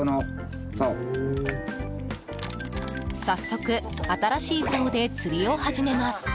早速、新しいさおで釣りを始めます。